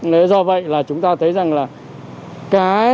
nếu do vậy là chúng ta thấy rằng là cái